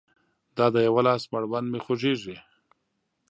د دا يوه لاس مړوند مې خوږيږي